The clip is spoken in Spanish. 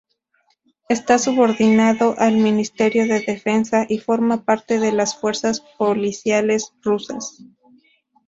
Esta subordinado al Ministerio de Defensa y forma parte de las fuerzas policiales rusas.